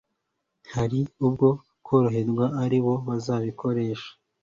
hari ubwo koroherwa ari bo uzabikesha